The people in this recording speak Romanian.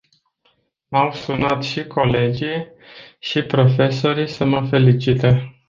M-au sunat și colegii și profesorii să mă felicite.